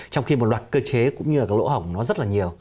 trong khi một loạt cơ chế cũng như là cái lỗ hỏng nó rất là nhiều